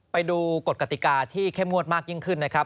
ไปดูกฎกติกาที่เข้มงวดมากยิ่งขึ้นนะครับ